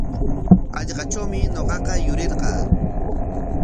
Hallqatrawmi ñuqaqa yurirqaa.